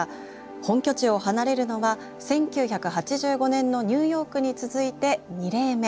本拠地を離れるのは１９８５年のニューヨークに続いて２例目。